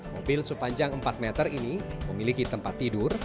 mobil sepanjang empat meter ini memiliki tempat tidur